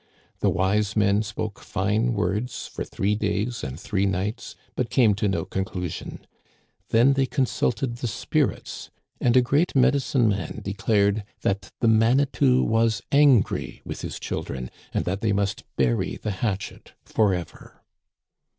The wise men spoke fine words for three days and three nights, but came to no conclusion. Then they consulted the spirits, and a great medicine man decided that the Manitou was angry with his children, and that they must bury the hatchet forever.